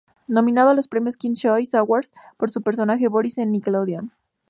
Nominado a los premios Kids Choice Awards por su personaje Boris en Nickelodeon.